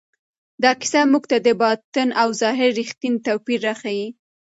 دا کیسه موږ ته د باطن او ظاهر رښتینی توپیر راښیي.